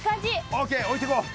オッケー置いていこう。